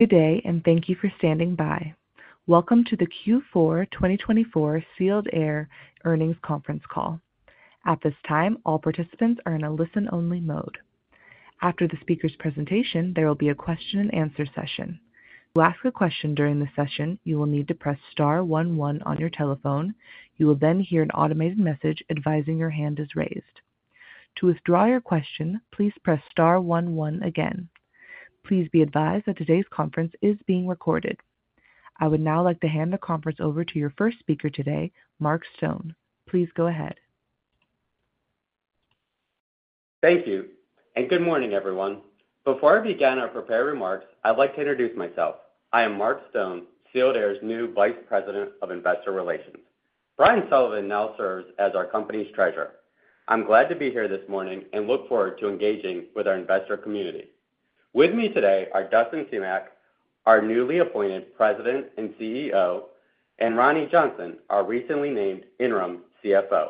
Good day, and thank you for standing by. Welcome to the Q4 2024 Sealed Air Earnings Conference Call. At this time, all participants are in a listen-only mode. After the speaker's presentation, there will be a question-and-answer session. To ask a question during the session, you will need to press star one one on your telephone. You will then hear an automated message advising your hand is raised. To withdraw your question, please press star one one again. Please be advised that today's conference is being recorded. I would now like to hand the conference over to your first speaker today, Mark Stone. Please go ahead. Thank you, and good morning, everyone. Before I begin our prepared remarks, I'd like to introduce myself. I am Mark Stone, Sealed Air's new Vice President of Investor Relations. Brian Sullivan now serves as our company's treasurer. I'm glad to be here this morning and look forward to engaging with our investor community. With me today are Dustin Semach, our newly appointed President and CEO, and Roni Johnson, our recently named interim CFO.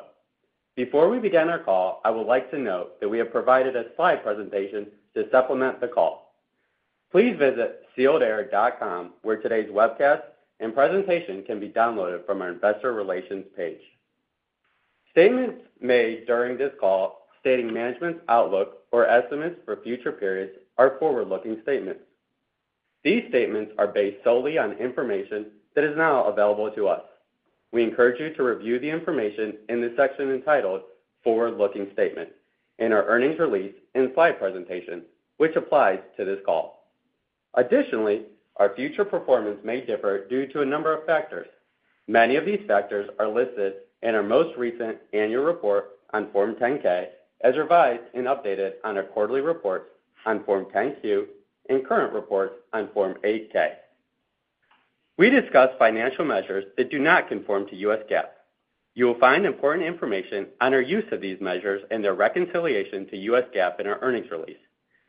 Before we begin our call, I would like to note that we have provided a slide presentation to supplement the call. Please visit sealedair.com, where today's webcast and presentation can be downloaded from our Investor Relations page. Statements made during this call, stating management's outlook or estimates for future periods, are forward-looking statements. These statements are based solely on information that is now available to us. We encourage you to review the information in the section entitled Forward-Looking Statements in our earnings release and slide presentation, which applies to this call. Additionally, our future performance may differ due to a number of factors. Many of these factors are listed in our most recent annual report on Form 10-K, as revised and updated on our quarterly reports on Form 10-Q, and current reports on Form 8-K. We discuss financial measures that do not conform to US GAAP. You will find important information on our use of these measures and their reconciliation to US GAAP in our earnings release.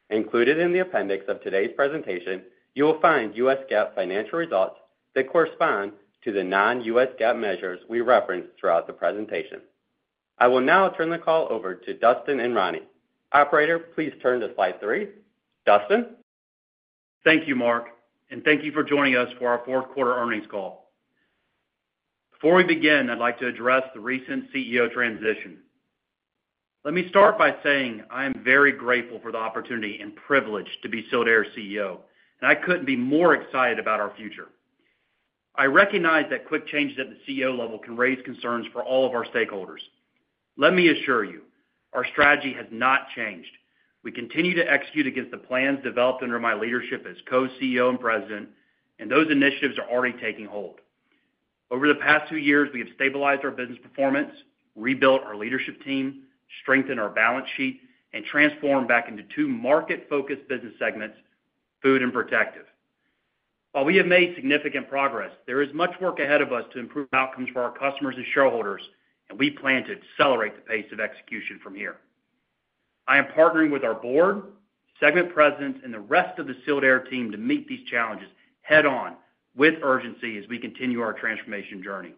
Included in the appendix of today's presentation, you will find US GAAP financial results that correspond to the non-US GAAP measures we referenced throughout the presentation. I will now turn the call over to Dustin and Roni. Operator, please turn to slide three. Dustin? Thank you, Mark, and thank you for joining us for our fourth quarter earnings call. Before we begin, I'd like to address the recent CEO transition. Let me start by saying I am very grateful for the opportunity and privilege to be Sealed Air 's CEO, and I couldn't be more excited about our future. I recognize that quick changes at the CEO level can raise concerns for all of our stakeholders. Let me assure you, our strategy has not changed. We continue to execute against the plans developed under my leadership as co-CEO and president, and those initiatives are already taking hold. Over the past two years, we have stabilized our business performance, rebuilt our leadership team, strengthened our balance sheet, and transformed back into two market-focused business segments, Food and Protective. While we have made significant progress, there is much work ahead of us to improve outcomes for our customers and shareholders, and we plan to accelerate the pace of execution from here. I am partnering with our board, segment presidents, and the rest of the Sealed Air team to meet these challenges head-on with urgency as we continue our transformation journey.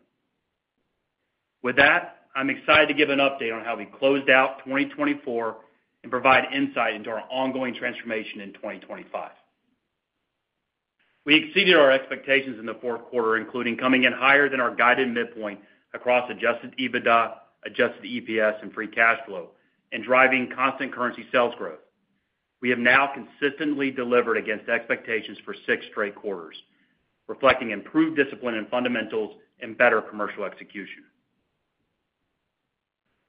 With that, I'm excited to give an update on how we closed out 2024 and provide insight into our ongoing transformation in 2025. We exceeded our expectations in the fourth quarter, including coming in higher than our guided midpoint across adjusted EBITDA, adjusted EPS, and free cash flow, and driving constant currency sales growth. We have now consistently delivered against expectations for six straight quarters, reflecting improved discipline and fundamentals and better commercial execution.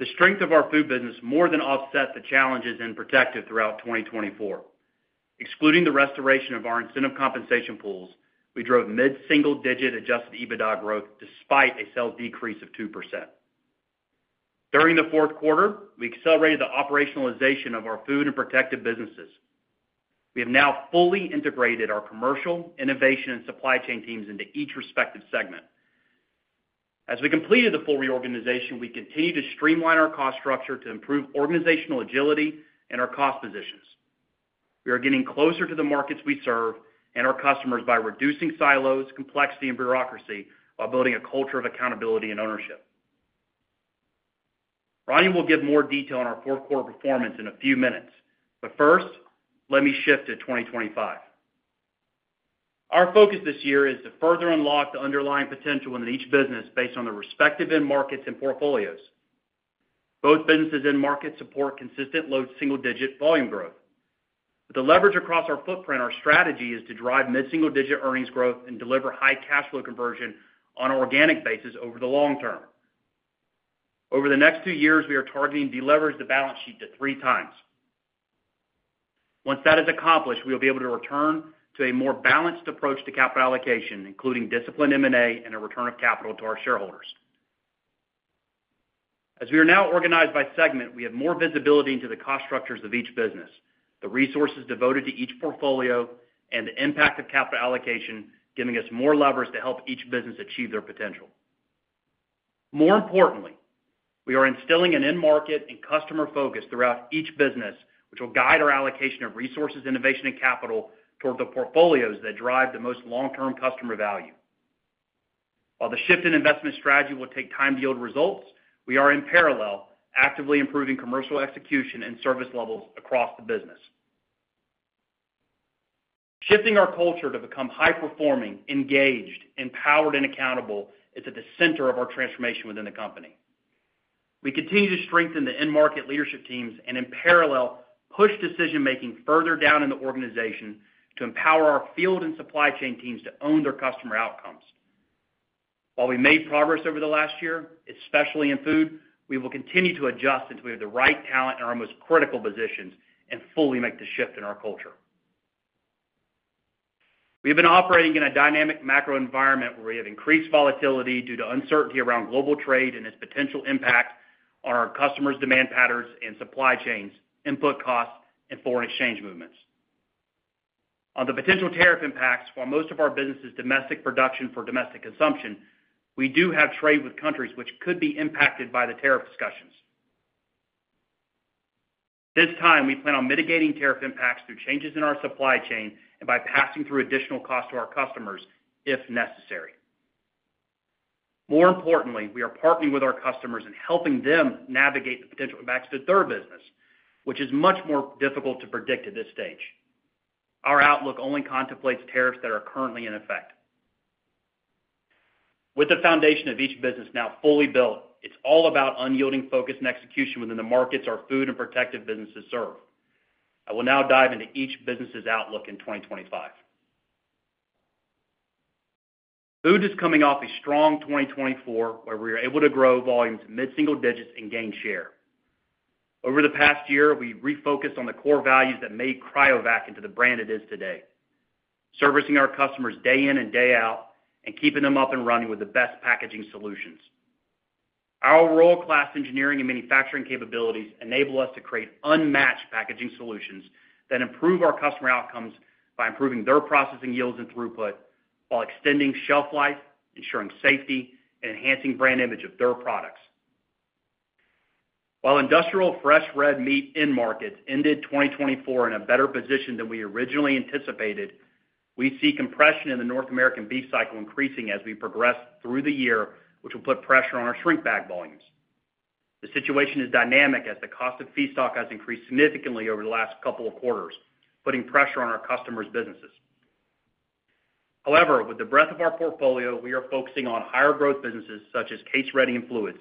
The strength of our Food business more than offsets the challenges in Protective throughout 2024. Excluding the restoration of our incentive compensation pools, we drove mid-single-digit Adjusted EBITDA growth despite a sales decrease of 2%. During the fourth quarter, we accelerated the operationalization of our food and protective businesses. We have now fully integrated our commercial, innovation, and supply chain teams into each respective segment. As we completed the full reorganization, we continue to streamline our cost structure to improve organizational agility and our cost positions. We are getting closer to the markets we serve and our customers by reducing silos, complexity, and bureaucracy while building a culture of accountability and ownership. Roni will give more detail on our fourth quarter performance in a few minutes, but first, let me shift to 2025. Our focus this year is to further unlock the underlying potential in each business based on the respective end markets and portfolios. Both businesses' end markets support consistent low single-digit volume growth. With the leverage across our footprint, our strategy is to drive mid-single-digit earnings growth and deliver high cash flow conversion on an organic basis over the long term. Over the next two years, we are targeting to leverage the balance sheet to three times. Once that is accomplished, we will be able to return to a more balanced approach to capital allocation, including disciplined M&A and a return of capital to our shareholders. As we are now organized by segment, we have more visibility into the cost structures of each business, the resources devoted to each portfolio, and the impact of capital allocation, giving us more levers to help each business achieve their potential. More importantly, we are instilling an end market and customer focus throughout each business, which will guide our allocation of resources, innovation, and capital toward the portfolios that drive the most long-term customer value. While the shift in investment strategy will take time to yield results, we are in parallel actively improving commercial execution and service levels across the business. Shifting our culture to become high-performing, engaged, empowered, and accountable is at the center of our transformation within the company. We continue to strengthen the end market leadership teams and, in parallel, push decision-making further down in the organization to empower our field and supply chain teams to own their customer outcomes. While we made progress over the last year, especially in Food, we will continue to adjust until we have the right talent in our most critical positions and fully make the shift in our culture. We have been operating in a dynamic macro environment where we have increased volatility due to uncertainty around global trade and its potential impact on our customers' demand patterns and supply chains, input costs, and foreign exchange movements. On the potential tariff impacts for most of our businesses' domestic production for domestic consumption, we do have trade with countries which could be impacted by the tariff discussions. This time, we plan on mitigating tariff impacts through changes in our supply chain and by passing through additional costs to our customers if necessary. More importantly, we are partnering with our customers and helping them navigate the potential impacts to their business, which is much more difficult to predict at this stage. Our outlook only contemplates tariffs that are currently in effect. With the foundation of each business now fully built, it's all about unyielding focus and execution within the markets our Food and Protective businesses serve. I will now dive into each business's outlook in 2025. Food is coming off a strong 2024 where we are able to grow volumes to mid-single digits and gain share. Over the past year, we refocused on the core values that made Cryovac into the brand it is today, servicing our customers day in and day out and keeping them up and running with the best packaging solutions. Our world-class engineering and manufacturing capabilities enable us to create unmatched packaging solutions that improve our customer outcomes by improving their processing yields and throughput while extending shelf life, ensuring safety, and enhancing brand image of their products. While industrial fresh red meat end markets ended 2024 in a better position than we originally anticipated, we see compression in the North American beef cycle increasing as we progress through the year, which will put pressure on our shrink bag volumes. The situation is dynamic as the cost of feedstock has increased significantly over the last couple of quarters, putting pressure on our customers' businesses. However, with the breadth of our portfolio, we are focusing on higher growth businesses such as Case Ready and Fluids,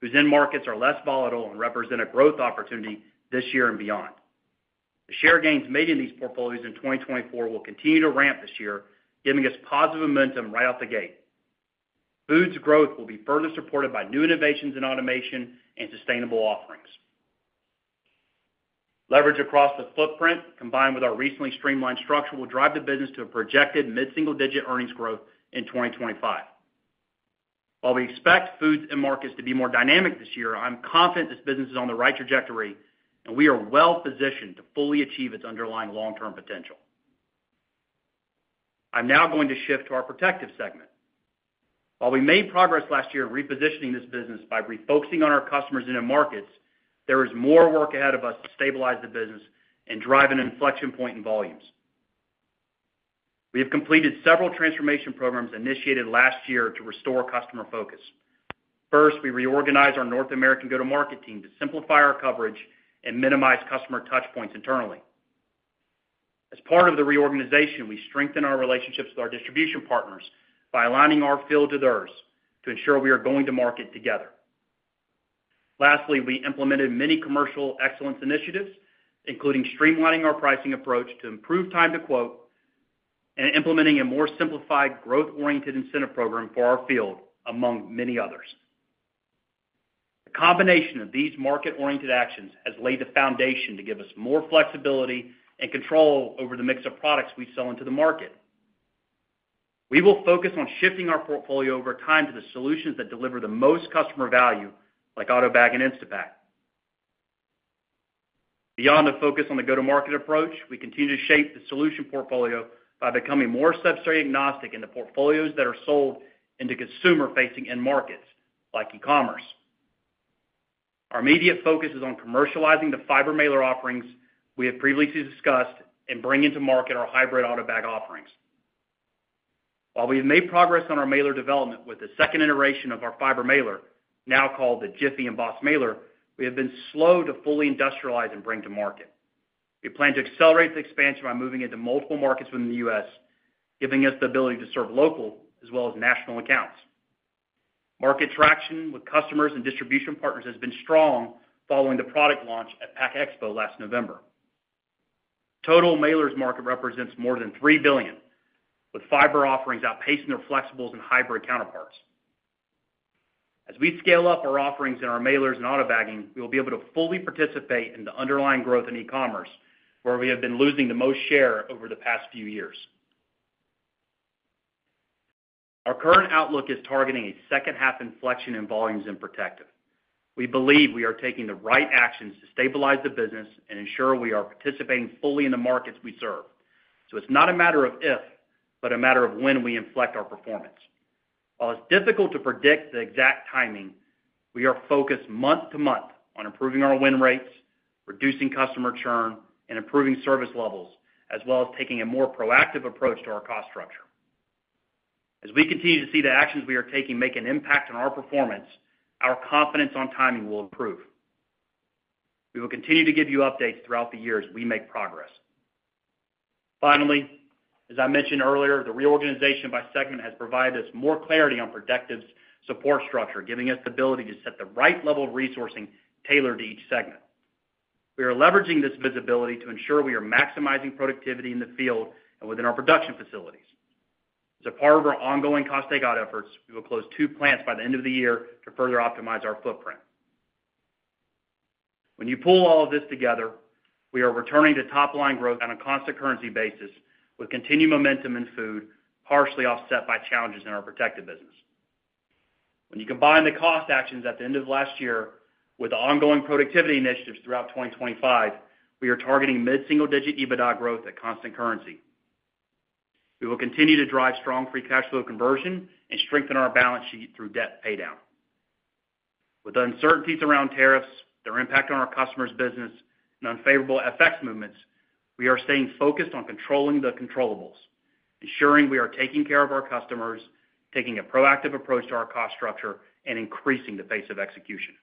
whose end markets are less volatile and represent a growth opportunity this year and beyond. The share gains made in these portfolios in 2024 will continue to ramp this year, giving us positive momentum right out the gate. Food's growth will be further supported by new innovations in automation and sustainable offerings. Leverage across the footprint, combined with our recently streamlined structure, will drive the business to a projected mid-single digit earnings growth in 2025. While we expect Foods and markets to be more dynamic this year, I'm confident this business is on the right trajectory, and we are well-positioned to fully achieve its underlying long-term potential. I'm now going to shift to our Protective Segment. While we made progress last year in repositioning this business by refocusing on our customers' end markets, there is more work ahead of us to stabilize the business and drive an inflection point in volumes. We have completed several transformation programs initiated last year to restore customer focus. First, we reorganized our North American go-to-market team to simplify our coverage and minimize customer touchpoints internally. As part of the reorganization, we strengthened our relationships with our distribution partners by aligning our field to theirs to ensure we are going to market together. Lastly, we implemented many commercial excellence initiatives, including streamlining our pricing approach to improve time to quote and implementing a more simplified growth-oriented incentive program for our field, among many others. The combination of these market-oriented actions has laid the foundation to give us more flexibility and control over the mix of products we sell into the market. We will focus on shifting our portfolio over time to the solutions that deliver the most customer value, like AutoBag and Instapak. Beyond a focus on the go-to-market approach, we continue to shape the solution portfolio by becoming more substrate-agnostic in the portfolios that are sold into consumer-facing end markets, like e-commerce. Our immediate focus is on commercializing the fiber mailer offerings we have previously discussed and bringing to market our hybrid AutoBag offerings. While we have made progress on our mailer development with the second iteration of our fiber mailer, now called the Jiffy Embossed Mailer, we have been slow to fully industrialize and bring to market. We plan to accelerate the expansion by moving into multiple markets within the U.S., giving us the ability to serve local as well as national accounts. Market traction with customers and distribution partners has been strong following the product launch at Pack Expo last November. Total mailers market represents more than $3 billion, with fiber offerings outpacing their flexibles and hybrid counterparts. As we scale up our offerings in our mailers and AutoBagging, we will be able to fully participate in the underlying growth in e-commerce, where we have been losing the most share over the past few years. Our current outlook is targeting a second-half inflection in volumes in protective. We believe we are taking the right actions to stabilize the business and ensure we are participating fully in the markets we serve. So it's not a matter of if, but a matter of when we inflect our performance. While it's difficult to predict the exact timing, we are focused month to month on improving our win rates, reducing customer churn, and improving service levels, as well as taking a more proactive approach to our cost structure. As we continue to see the actions we are taking make an impact on our performance, our confidence on timing will improve. We will continue to give you updates throughout the year as we make progress. Finally, as I mentioned earlier, the reorganization by segment has provided us more clarity on Protective's support structure, giving us the ability to set the right level of resourcing tailored to each segment. We are leveraging this visibility to ensure we are maximizing productivity in the field and within our production facilities. As a part of our ongoing cost takeout efforts, we will close two plants by the end of the year to further optimize our footprint. When you pull all of this together, we are returning to top-line growth on a Constant Currency basis with continued momentum in Food, partially offset by challenges in our Protective business. When you combine the cost actions at the end of last year with ongoing productivity initiatives throughout 2025, we are targeting mid-single digit EBITDA growth at Constant Currency. We will continue to drive strong free cash flow conversion and strengthen our balance sheet through debt paydown. With uncertainties around tariffs, their impact on our customers' business, and unfavorable FX movements, we are staying focused on controlling the controllable, ensuring we are taking care of our customers, taking a proactive approach to our cost structure, and increasing the pace of execution.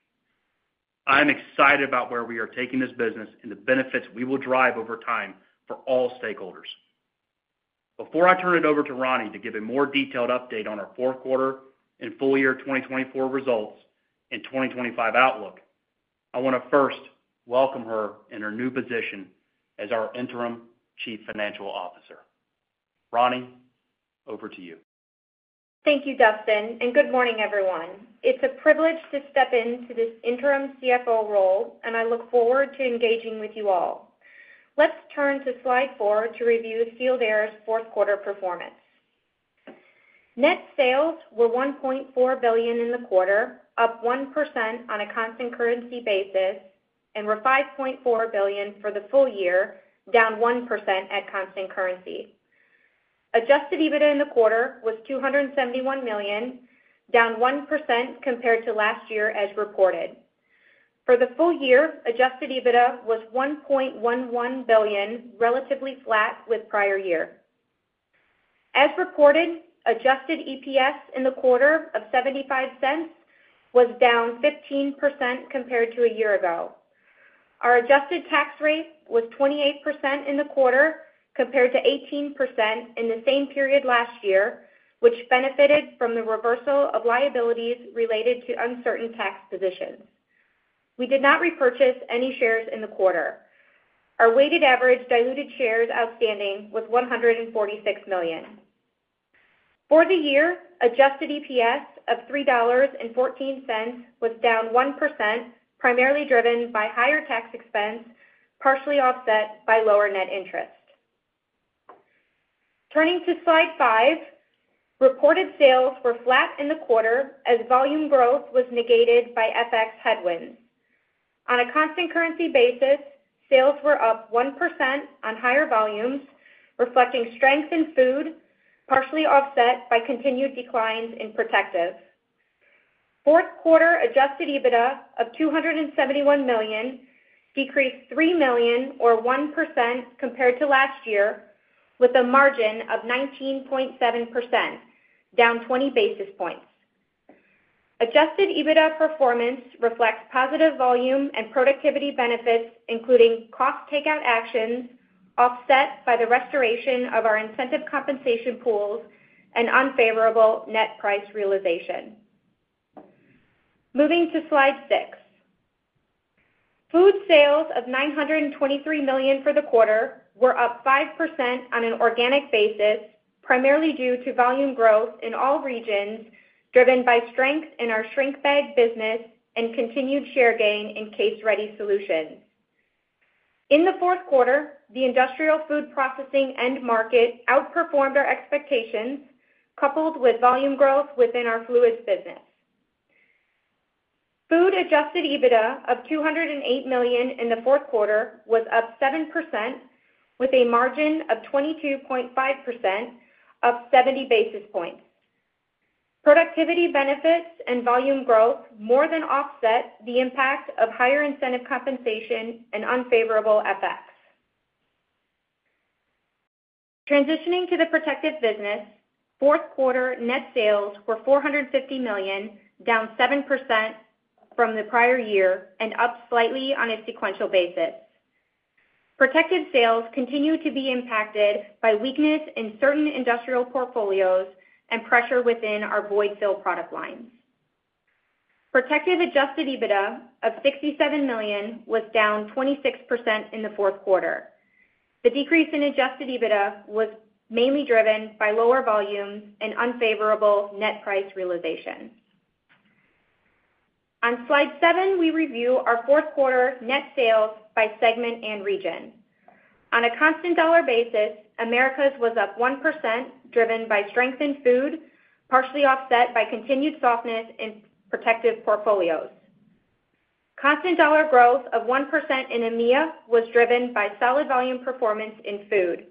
I am excited about where we are taking this business and the benefits we will drive over time for all stakeholders. Before I turn it over to Roni to give a more detailed update on our fourth quarter and full year 2024 results and 2025 outlook, I want to first welcome her in her new position as our Interim Chief Financial Officer. Roni, over to you. Thank you, Dustin, and good morning, everyone. It's a privilege to step into this interim CFO role, and I look forward to engaging with you all. Let's turn to slide four to review Sealed Air's fourth quarter performance. Net sales were $1.4 billion in the quarter, up 1% on a constant currency basis, and were $5.4 billion for the full year, down 1% at constant currency. Adjusted EBITDA in the quarter was $271 million, down 1% compared to last year as reported. For the full year, adjusted EBITDA was $1.11 billion, relatively flat with prior year. As reported, adjusted EPS in the quarter of $0.75 was down 15% compared to a year ago. Our adjusted tax rate was 28% in the quarter compared to 18% in the same period last year, which benefited from the reversal of liabilities related to uncertain tax positions. We did not repurchase any shares in the quarter. Our weighted average diluted shares outstanding was 146 million. For the year, adjusted EPS of $3.14 was down 1%, primarily driven by higher tax expense, partially offset by lower net interest. Turning to slide five, reported sales were flat in the quarter as volume growth was negated by FX headwinds. On a constant currency basis, sales were up 1% on higher volumes, reflecting strength in food, partially offset by continued declines in protective. Fourth quarter adjusted EBITDA of $271 million decreased $3 million, or 1% compared to last year, with a margin of 19.7%, down 20 basis points. Adjusted EBITDA performance reflects positive volume and productivity benefits, including cost takeout actions offset by the restoration of our incentive compensation pools and unfavorable net price realization. Moving to slide six. Food sales of $923 million for the quarter were up 5% on an organic basis, primarily due to volume growth in all regions driven by strength in our shrink bag business and continued share gain in Case Ready solutions. In the fourth quarter, the industrial food processing end market outperformed our expectations, coupled with volume growth within our fluids business. Food adjusted EBITDA of $208 million in the fourth quarter was up 7%, with a margin of 22.5%, up 70 basis points. Productivity benefits and volume growth more than offset the impact of higher incentive compensation and unfavorable FX. Transitioning to the protective business, fourth quarter net sales were $450 million, down 7% from the prior year and up slightly on a sequential basis. Protective sales continue to be impacted by weakness in certain industrial portfolios and pressure within our void-fill product lines. Protective adjusted EBITDA of $67 million was down 26% in the fourth quarter. The decrease in adjusted EBITDA was mainly driven by lower volumes and unfavorable net price realization. On slide seven, we review our fourth quarter net sales by segment and region. On a constant dollar basis, Americas was up 1%, driven by strength in food, partially offset by continued softness in protective portfolios. Constant dollar growth of 1% in EMEA was driven by solid volume performance in food.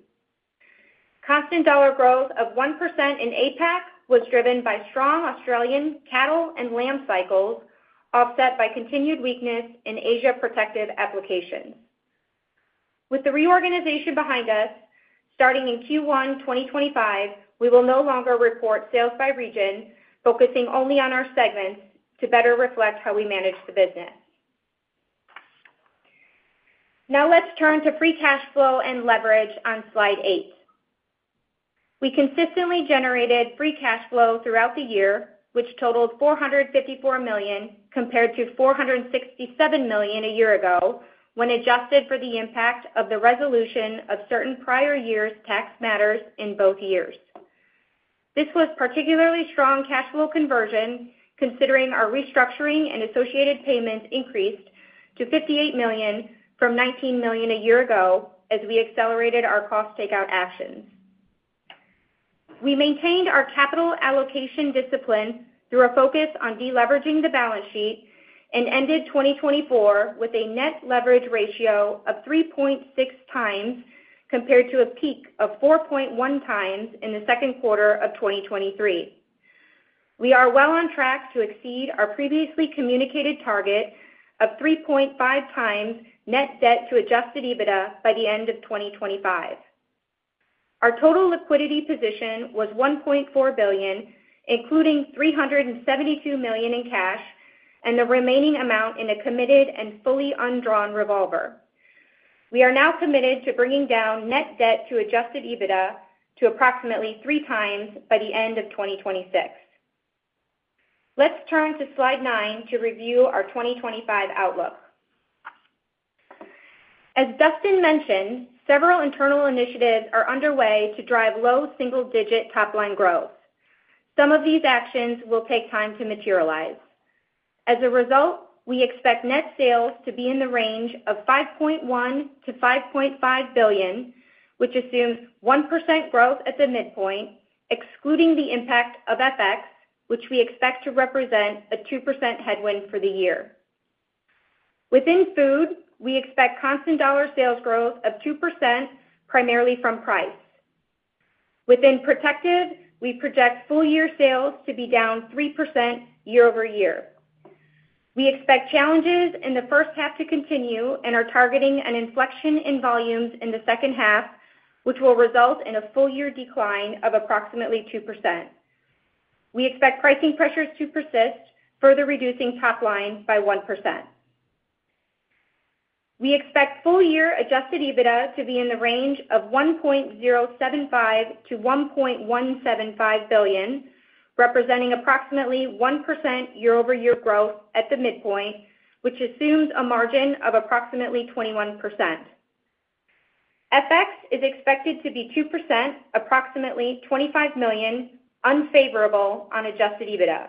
Constant dollar growth of 1% in APAC was driven by strong Australian cattle and lamb cycles, offset by continued weakness in Asia protective applications. With the reorganization behind us, starting in Q1 2025, we will no longer report sales by region, focusing only on our segments to better reflect how we manage the business. Now let's turn to free cash flow and leverage on slide eight. We consistently generated Free Cash Flow throughout the year, which totaled $454 million compared to $467 million a year ago when adjusted for the impact of the resolution of certain prior year's tax matters in both years. This was particularly strong cash flow conversion, considering our restructuring and associated payments increased to $58 million from $19 million a year ago as we accelerated our Cost Takeout actions. We maintained our capital allocation discipline through a focus on deleveraging the balance sheet and ended 2024 with a Net Leverage Ratio of 3.6 times compared to a peak of 4.1 times in the second quarter of 2023. We are well on track to exceed our previously communicated target of 3.5 times net debt to Adjusted EBITDA by the end of 2025. Our total liquidity position was $1.4 billion, including $372 million in cash and the remaining amount in a committed and fully undrawn revolver. We are now committed to bringing down net debt to Adjusted EBITDA to approximately 3 times by the end of 2026. Let's turn to slide 9 to review our 2025 outlook. As Dustin mentioned, several internal initiatives are underway to drive low single-digit top-line growth. Some of these actions will take time to materialize. As a result, we expect net sales to be in the range of $5.1-$5.5 billion, which assumes 1% growth at the midpoint, excluding the impact of FX, which we expect to represent a 2% headwind for the year. Within food, we expect constant dollar sales growth of 2%, primarily from price. Within protective, we project full year sales to be down 3% year over year. We expect challenges in the first half to continue and are targeting an inflection in volumes in the second half, which will result in a full year decline of approximately 2%. We expect pricing pressures to persist, further reducing top line by 1%. We expect full year Adjusted EBITDA to be in the range of $1.075 billion-$1.175 billion, representing approximately 1% year over year growth at the midpoint, which assumes a margin of approximately 21%. FX is expected to be 2%, approximately $25 million, unfavorable on Adjusted EBITDA.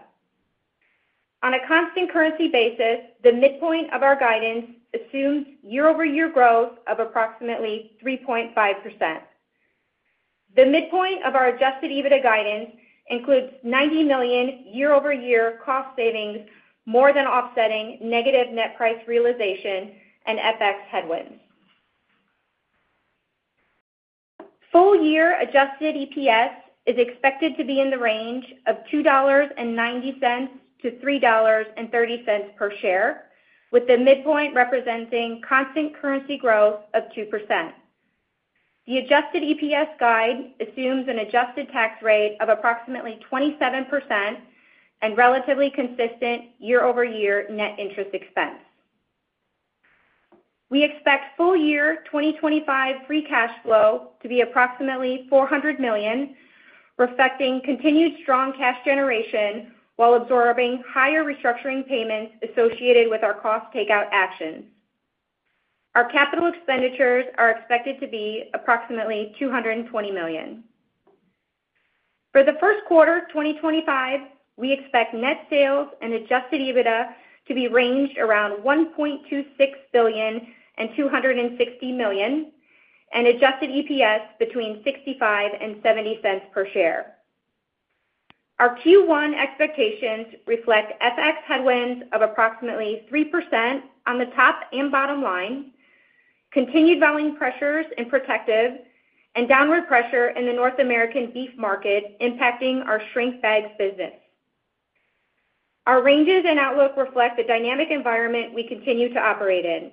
On a constant currency basis, the midpoint of our guidance assumes year over year growth of approximately 3.5%. The midpoint of our Adjusted EBITDA guidance includes $90 million year over year cost savings, more than offsetting negative Net Price Realization and FX headwinds. Full year adjusted EPS is expected to be in the range of $2.90-$3.30 per share, with the midpoint representing constant currency growth of 2%. The adjusted EPS guide assumes an adjusted tax rate of approximately 27% and relatively consistent year over year net interest expense. We expect full year 2025 free cash flow to be approximately $400 million, reflecting continued strong cash generation while absorbing higher restructuring payments associated with our cost takeout actions. Our capital expenditures are expected to be approximately $220 million. For the first quarter of 2025, we expect net sales and adjusted EBITDA to be ranged around $1.26 billion and $260 million, and adjusted EPS between $0.65 and $0.70 per share. Our Q1 expectations reflect FX headwinds of approximately 3% on the top and bottom line, continued volume pressures in protective, and downward pressure in the North American beef market impacting our shrink bags business. Our ranges and outlook reflect the dynamic environment we continue to operate in.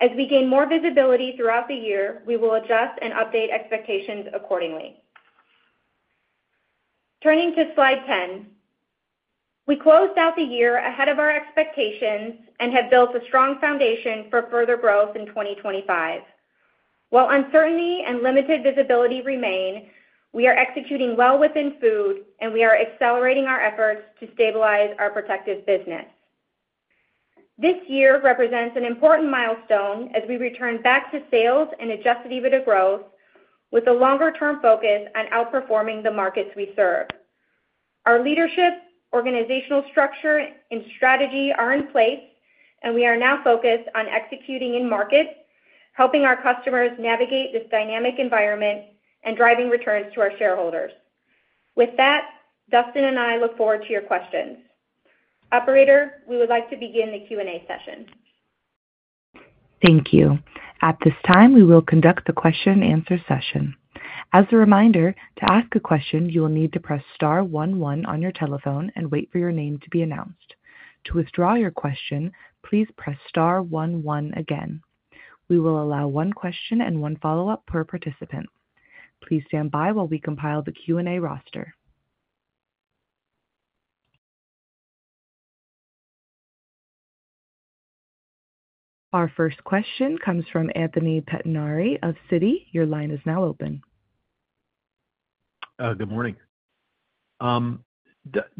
As we gain more visibility throughout the year, we will adjust and update expectations accordingly. Turning to slide 10, we closed out the year ahead of our expectations and have built a strong foundation for further growth in 2025. While uncertainty and limited visibility remain, we are executing well within Food, and we are accelerating our efforts to stabilize our Protective business. This year represents an important milestone as we return back to sales and Adjusted EBITDA growth, with a longer-term focus on outperforming the markets we serve. Our leadership, organizational structure, and strategy are in place, and we are now focused on executing in market, helping our customers navigate this dynamic environment and driving returns to our shareholders. With that, Dustin and I look forward to your questions. Operator, we would like to begin the Q&A session. Thank you. At this time, we will conduct the question-and-answer session. As a reminder, to ask a question, you will need to press star one one on your telephone and wait for your name to be announced. To withdraw your question, please press star one one again. We will allow one question and one follow-up per participant. Please stand by while we compile the Q&A roster. Our first question comes from Anthony Pettinari of Citi. Your line is now open. Good morning.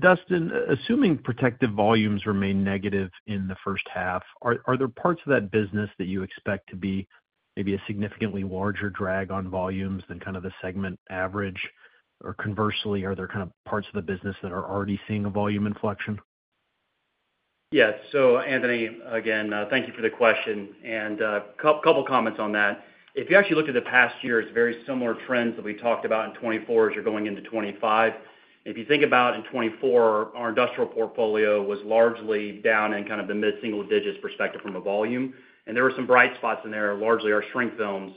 Dustin, assuming protective volumes remain negative in the first half, are there parts of that business that you expect to be maybe a significantly larger drag on volumes than kind of the segment average? Or conversely, are there kind of parts of the business that are already seeing a volume inflection? Yeah. So, Anthony, again, thank you for the question, and a couple of comments on that. If you actually looked at the past year, it's very similar trends that we talked about in 2024 as you're going into 2025. If you think about in 2024, our industrial portfolio was largely down in kind of the mid-single digits perspective from a volume, and there were some bright spots in there, largely our shrink films,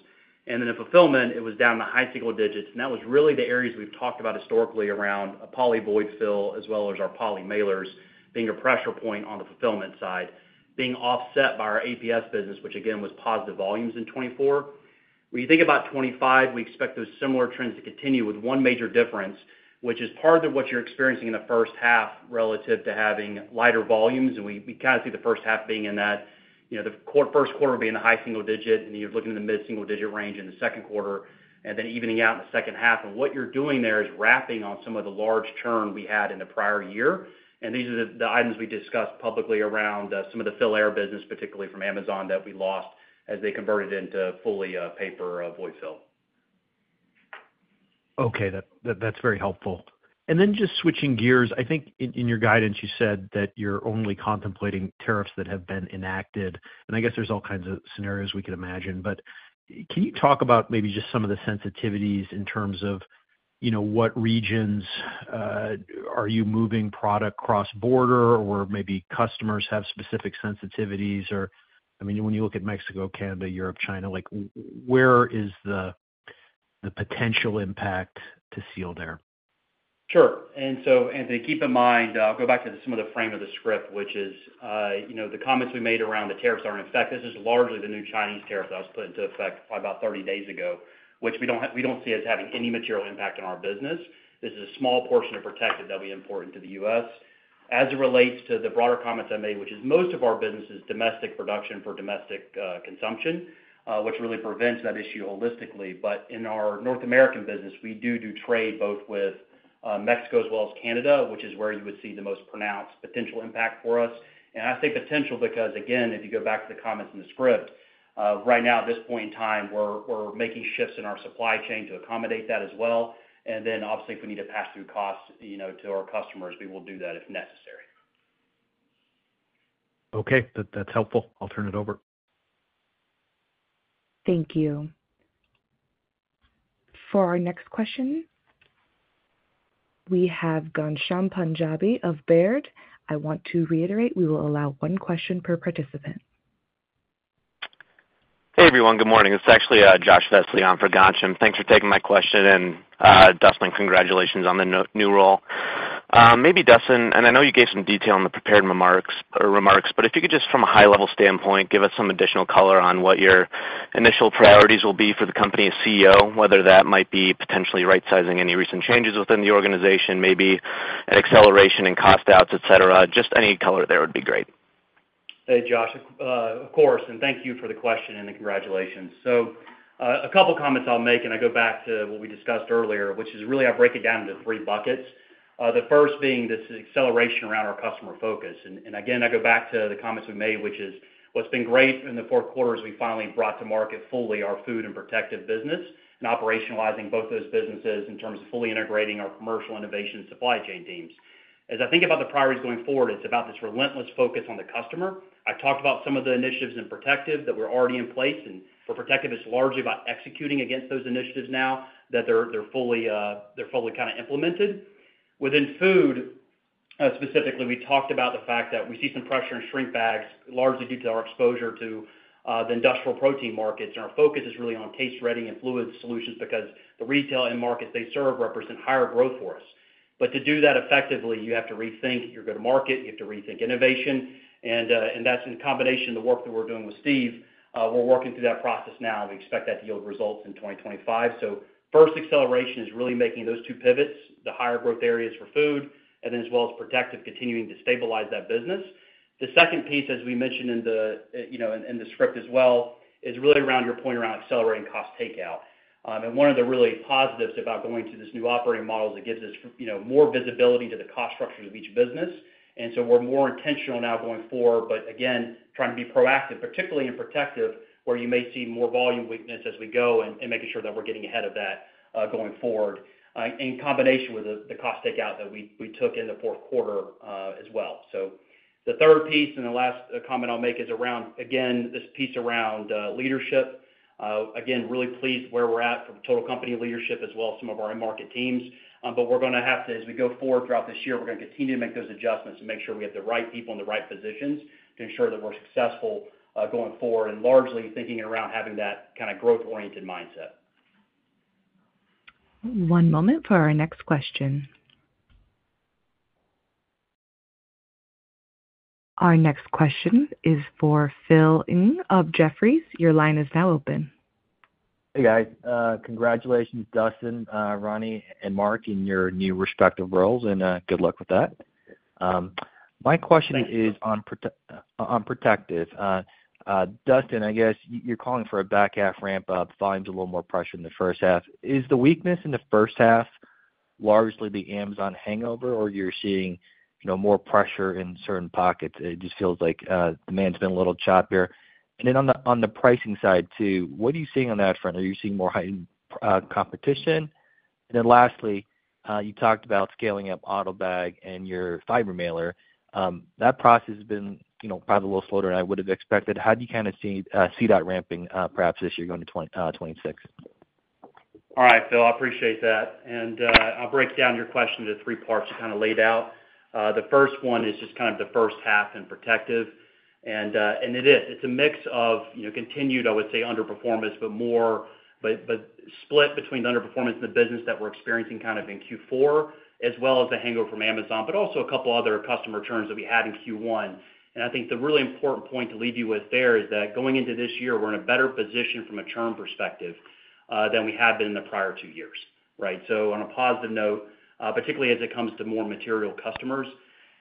and then in fulfillment, it was down in the high single digits. That was really the areas we've talked about historically around a poly void fill, as well as our poly mailers being a pressure point on the fulfillment side, being offset by our APS business, which again was positive volumes in 2024. When you think about 2025, we expect those similar trends to continue with one major difference, which is part of what you're experiencing in the first half relative to having lighter volumes. We kind of see the first half being in that, the first quarter being the high single digit, and you're looking at the mid-single digit range in the second quarter, and then evening out in the second half. What you're doing there is lapping some of the large churn we had in the prior year. These are the items we discussed publicly around some of the Fill-Air business, particularly from Amazon, that we lost as they converted into fully paper void fill. Okay. That's very helpful. Then just switching gears, I think in your guidance, you said that you're only contemplating tariffs that have been enacted. And I guess there's all kinds of scenarios we could imagine. But can you talk about maybe just some of the sensitivities in terms of what regions are you moving product cross-border, or maybe customers have specific sensitivities? Or I mean, when you look at Mexico, Canada, Europe, China, where is the potential impact to Sealed Air? Sure. And so, Anthony, keep in mind, I'll go back to some of the frame of the script, which is the comments we made around the tariffs aren't in effect. This is largely the new Chinese tariff that was put into effect by about 30 days ago, which we don't see as having any material impact on our business. This is a small portion of protective that we import into the U.S. As it relates to the broader comments I made, which is most of our business is domestic production for domestic consumption, which really prevents that issue holistically. But in our North American business, we do trade both with Mexico as well as Canada, which is where you would see the most pronounced potential impact for us. And I say potential because, again, if you go back to the comments in the script, right now, at this point in time, we're making shifts in our supply chain to accommodate that as well. And then, obviously, if we need to pass through costs to our customers, we will do that if necessary. Okay. That's helpful. I'll turn it over. Thank you. For our next question, we have Ghansham Panjabi of Baird. I want to reiterate we will allow one question per participant. Hey, everyone. Good morning. It's actually Josh Vesely on for Ghansham. Thanks for taking my question. And Dustin, congratulations on the new role. Maybe Dustin, and I know you gave some detail in the prepared remarks, but if you could just, from a high-level standpoint, give us some additional color on what your initial priorities will be for the company's CEO, whether that might be potentially right-sizing any recent changes within the organization, maybe an acceleration in cost outs, etc. Just any color there would be great. Hey, Josh, of course. And thank you for the question and the congratulations. So a couple of comments I'll make, and I go back to what we discussed earlier, which is really I break it down into three buckets. The first being this acceleration around our customer focus. And again, I go back to the comments we made, which is what's been great in the fourth quarter is we finally brought to market fully our Food and Protective business and operationalizing both those businesses in terms of fully integrating our commercial innovation supply chain teams. As I think about the priorities going forward, it's about this relentless focus on the customer. I talked about some of the initiatives in Protective that were already in place. And for Protective, it's largely about executing against those initiatives now that they're fully kind of implemented. Within Food, specifically, we talked about the fact that we see some pressure in shrink bags, largely due to our exposure to the industrial protein markets. And our focus is really on case-ready and food solutions because the retail and markets they serve represent higher growth for us. But to do that effectively, you have to rethink your go-to-market. You have to rethink innovation. And that's in combination with the work that we're doing with Steve. We're working through that process now. We expect that to yield results in 2025. So first, acceleration is really making those two pivots, the higher growth areas for Food, and then as well as Protective, continuing to stabilize that business. The second piece, as we mentioned in the script as well, is really around your point around accelerating cost takeout. One of the really positives about going to this new operating model is it gives us more visibility to the cost structures of each business. So we're more intentional now going forward, but again, trying to be proactive, particularly in Protective, where you may see more volume weakness as we go and making sure that we're getting ahead of that going forward in combination with the cost takeout that we took in the fourth quarter as well. The third piece and the last comment I'll make is around, again, this piece around leadership. Really pleased where we're at from total company leadership as well as some of our end market teams. But we're going to have to, as we go forward throughout this year, we're going to continue to make those adjustments and make sure we have the right people in the right positions to ensure that we're successful going forward and largely thinking around having that kind of growth-oriented mindset. One moment for our next question. Our next question is for Phil Ng of Jefferies. Your line is now open. Hey, guys. Congratulations, Dustin, Roni, and Mark in your new respective roles. And good luck with that. My question is on Protective. Dustin, I guess you're calling for a back-half ramp-up. Volume's a little more pressure in the first half. Is the weakness in the first half largely the Amazon hangover, or you're seeing more pressure in certain pockets? It just feels like demand's been a little choppier. And then on the pricing side too, what are you seeing on that front? Are you seeing more competition? And then lastly, you talked about scaling up AutoBag and your fiber mailer. That process has been probably a little slower than I would have expected. How do you kind of see that ramping perhaps as you're going to 2026? All right, Phil. I appreciate that. And I'll break down your question into three parts you kind of laid out. The first one is just kind of the first half in Protective. And it is. It's a mix of continued, I would say, underperformance, but split between the underperformance and the business that we're experiencing kind of in Q4, as well as the hangover from Amazon, but also a couple of other customer churns that we had in Q1. And I think the really important point to leave you with there is that going into this year, we're in a better position from a churn perspective than we have been in the prior two years, right? So on a positive note, particularly as it comes to more material customers.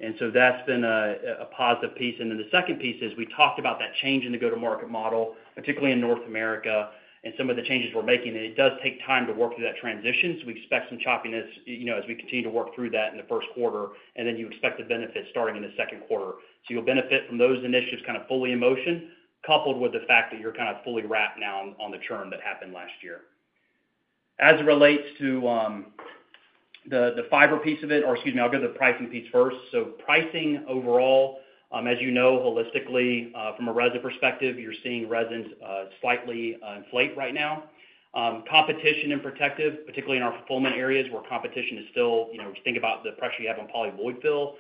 And so that's been a positive piece. And then the second piece is we talked about that change in the go-to-market model, particularly in North America, and some of the changes we're making. And it does take time to work through that transition. So we expect some choppiness as we continue to work through that in the first quarter. And then you expect the benefits starting in the second quarter. So you'll benefit from those initiatives kind of fully in motion, coupled with the fact that you're kind of fully wrapped now on the churn that happened last year. As it relates to the fiber piece of it, or excuse me, I'll go to the pricing piece first, so pricing overall, as you know, holistically, from a resin perspective, you're seeing resins slightly inflate right now. Competition in Protective, particularly in our fulfillment areas where competition is still, if you think about the pressure you have on poly void fill,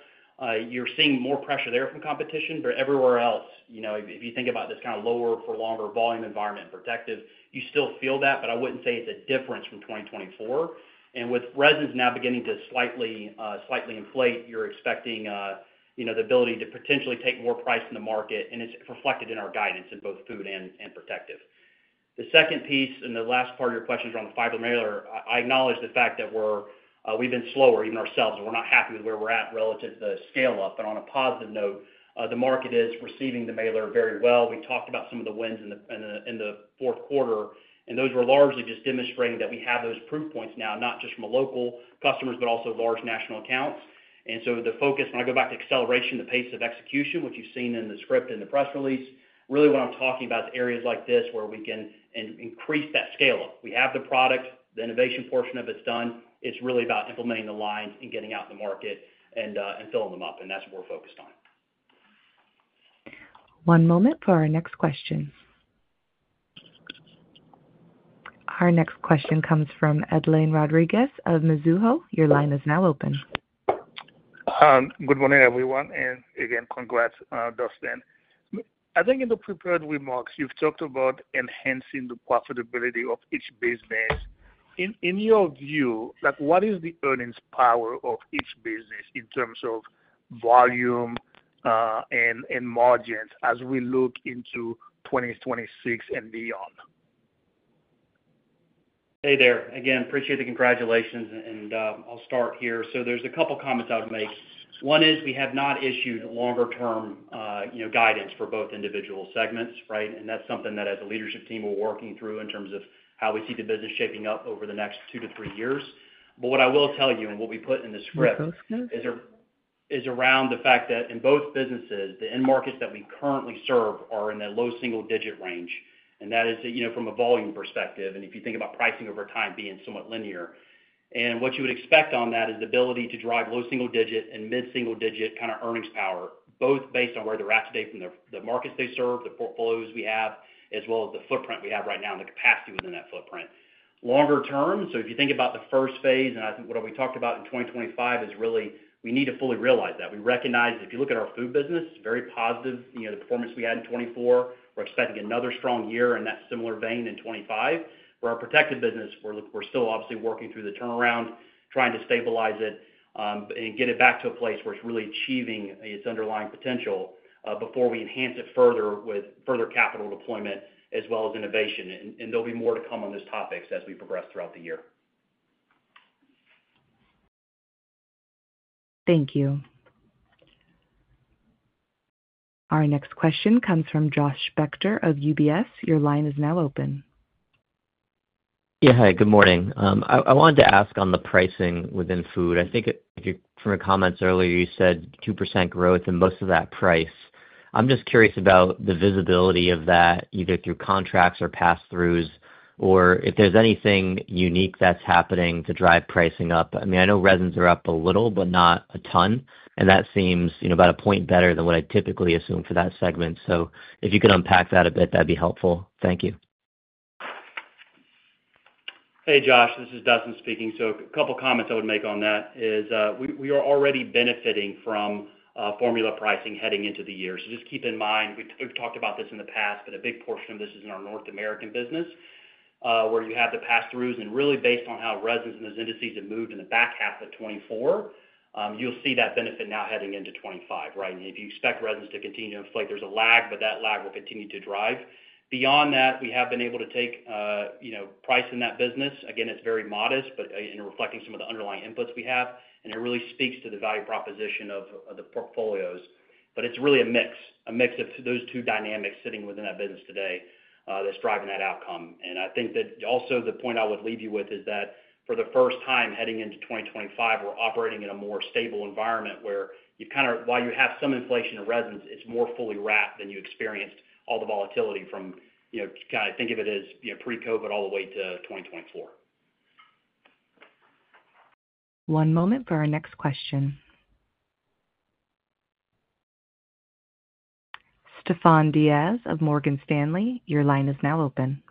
you're seeing more pressure there from competition, but everywhere else, if you think about this kind of lower-for-longer volume environment in Protective, you still feel that, but I wouldn't say it's a difference from 2024, and with resins now beginning to slightly inflate, you're expecting the ability to potentially take more price in the market, and it's reflected in our guidance in both Food and Protective. The second piece and the last part of your questions around the fiber mailer, I acknowledge the fact that we've been slower, even ourselves, and we're not happy with where we're at relative to the scale-up. But on a positive note, the market is receiving the mailer very well. We talked about some of the wins in the fourth quarter. And those were largely just demonstrating that we have those proof points now, not just from local customers, but also large national accounts. And so the focus, when I go back to acceleration, the pace of execution, which you've seen in the script and the press release, really what I'm talking about is areas like this where we can increase that scale-up. We have the product. The innovation portion of it's done. It's really about implementing the lines and getting out in the market and filling them up. That's what we're focused on. One moment for our next question. Our next question comes from Edlain Rodriguez of Mizuho. Your line is now open. Good morning, everyone. Again, congrats, Dustin. I think in the prepared remarks, you've talked about enhancing the profitability of each business. In your view, what is the earnings power of each business in terms of volume and margins as we look into 2026 and beyond? Hey there. Again, appreciate the congratulations. I'll start here. There's a couple of comments I would make. One is we have not issued longer-term guidance for both individual segments, right? That's something that, as a leadership team, we're working through in terms of how we see the business shaping up over the next two to three years. But what I will tell you and what we put in the script is around the fact that in both businesses, the end markets that we currently serve are in the low single-digit range. And that is from a volume perspective. And if you think about pricing over time being somewhat linear. And what you would expect on that is the ability to drive low single-digit and mid-single-digit kind of earnings power, both based on where they're at today from the markets they serve, the portfolios we have, as well as the footprint we have right now and the capacity within that footprint. Longer-term, so if you think about the first phase, and I think what we talked about in 2025 is really we need to fully realize that. We recognize that if you look at our food business, very positive, the performance we had in 2024. We're expecting another strong year in that similar vein in 2025. For our protective business, we're still obviously working through the turnaround, trying to stabilize it and get it back to a place where it's really achieving its underlying potential before we enhance it further with further capital deployment as well as innovation. And there'll be more to come on those topics as we progress throughout the year. Thank you. Our next question comes from Josh Spector of UBS. Your line is now open. Yeah. Hi. Good morning. I wanted to ask on the pricing within food. I think from your comments earlier, you said 2% growth and most of that price. I'm just curious about the visibility of that, either through contracts or pass-throughs, or if there's anything unique that's happening to drive pricing up. I mean, I know resins are up a little, but not a ton. And that seems about a point better than what I typically assume for that segment. So if you could unpack that a bit, that'd be helpful. Thank you. Hey, Josh. This is Dustin speaking. So a couple of comments I would make on that is we are already benefiting from formula pricing heading into the year. So just keep in mind, we've talked about this in the past, but a big portion of this is in our North American business, where you have the pass-throughs. And really, based on how resins and those indices have moved in the back half of 2024, you'll see that benefit now heading into 2025, right? And if you expect resins to continue to inflate, there's a lag, but that lag will continue to drive. Beyond that, we have been able to take price in that business. Again, it's very modest, but in reflecting some of the underlying inputs we have, and it really speaks to the value proposition of the portfolios, but it's really a mix, a mix of those two dynamics sitting within that business today that's driving that outcome, and I think that also the point I would leave you with is that for the first time heading into 2025, we're operating in a more stable environment where you've kind of, while you have some inflation in resins, it's more fully wrapped than you experienced all the volatility from kind of think of it as pre-COVID all the way to 2024. One moment for our next question. Stefan Diaz of Morgan Stanley, your line is now open.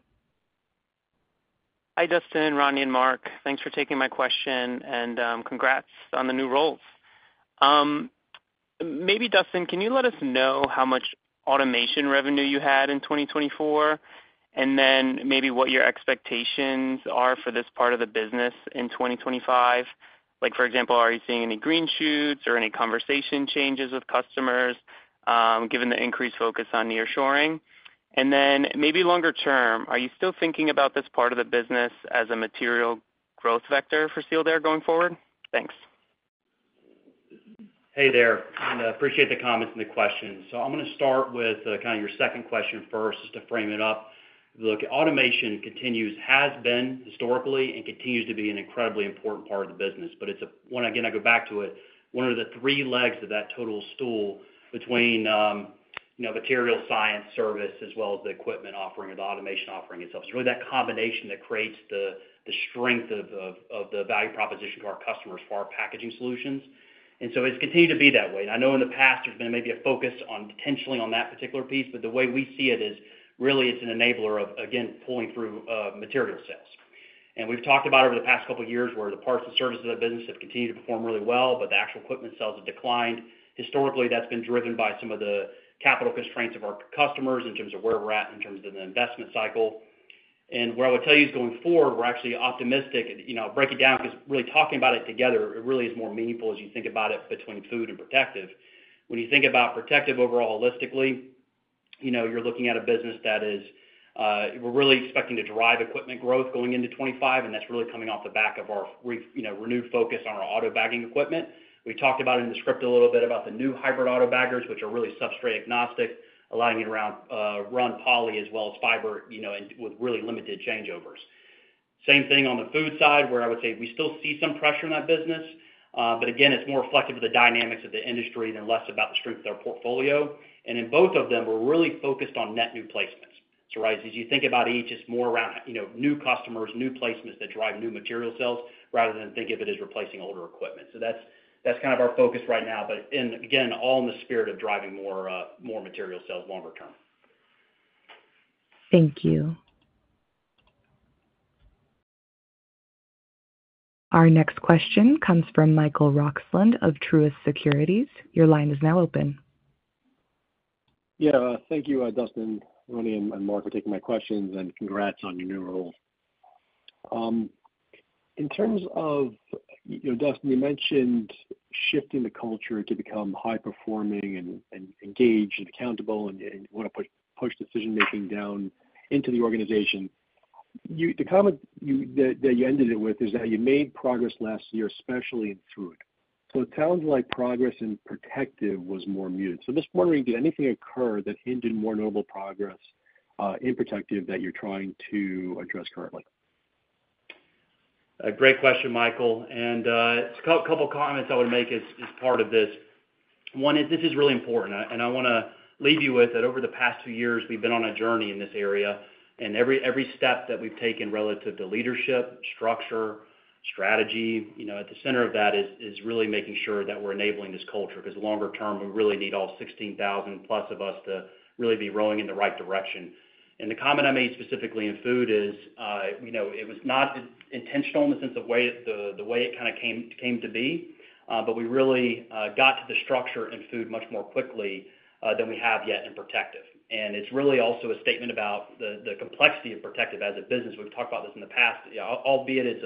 Hi, Dustin, Roni, and Mark. Thanks for taking my question. And congrats on the new roles. Maybe, Dustin, can you let us know how much automation revenue you had in 2024? And then maybe what your expectations are for this part of the business in 2025? For example, are you seeing any green shoots or any conversation changes with customers given the increased focus on nearshoring? And then maybe longer-term, are you still thinking about this part of the business as a material growth vector for Sealed Air going forward? Thanks. Hey there. I appreciate the comments and the questions. So I'm going to start with kind of your second question first, just to frame it up. Look, automation continues has been historically and continues to be an incredibly important part of the business. But again, I go back to it. One of the three legs of that total stool between material science, service, as well as the equipment offering or the automation offering itself is really that combination that creates the strength of the value proposition to our customers for our packaging solutions. And so it's continued to be that way. And I know in the past, there's been maybe a focus on potentially on that particular piece. But the way we see it is really it's an enabler of, again, pulling through material sales. And we've talked about over the past couple of years where the parts and services of the business have continued to perform really well, but the actual equipment sales have declined. Historically, that's been driven by some of the capital constraints of our customers in terms of where we're at in terms of the investment cycle. And what I would tell you is going forward, we're actually optimistic. Break it down, because really, talking about it together, it really is more meaningful as you think about it between Food and Protective. When you think about Protective overall, holistically, you're looking at a business that we're really expecting to drive equipment growth going into 2025. And that's really coming off the back of our renewed focus on our auto bagging equipment. We talked about it in the script a little bit about the new hybrid auto baggers, which are really substrate agnostic, allowing it to run poly as well as fiber with really limited changeovers. Same thing on the Food side, where I would say we still see some pressure in that business. But again, it's more reflective of the dynamics of the industry and less about the strength of their portfolio. And in both of them, we're really focused on net new placements. So as you think about each, it's more around new customers, new placements that drive new material sales rather than think of it as replacing older equipment. So that's kind of our focus right now. But again, all in the spirit of driving more material sales longer-term. Thank you. Our next question comes from Michael Roxland of Truist Securities. Your line is now open. Yeah. Thank you, Dustin, Roni, and Mark for taking my questions. And congrats on your new role. In terms of, Dustin, you mentioned shifting the culture to become high-performing and engaged and accountable and want to push decision-making down into the organization. The comment that you ended it with is that you made progress last year, especially in Food. So it sounds like progress in protective was more muted. So I'm just wondering, did anything occur that hindered more notable progress in Protective that you're trying to address currently? Great question, Michael. And a couple of comments I would make as part of this. One is this is really important. And I want to leave you with that over the past two years, we've been on a journey in this area. And every step that we've taken relative to leadership, structure, strategy, at the center of that is really making sure that we're enabling this culture. Because longer-term, we really need all 16,000-plus of us to really be rowing in the right direction. And the comment I made specifically in food is it was not intentional in the sense of the way it kind of came to be. But we really got to the structure in Food much more quickly than we have yet in Protective. It's really also a statement about the complexity of Protective as a business. We've talked about this in the past. Albeit it's